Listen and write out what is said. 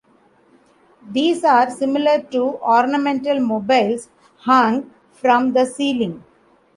These are similar to ornamental mobiles hung from the ceiling.